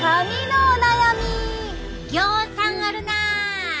ぎょうさんあるな。